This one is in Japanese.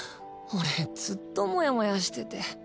俺ずっともやもやしてて。